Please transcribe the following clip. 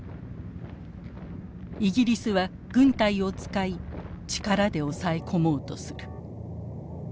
イギリスは軍隊を使い力で抑え込もうとする。